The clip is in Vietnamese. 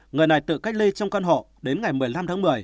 người này tự cách ly trong căn hộ đến ngày một mươi năm tháng một mươi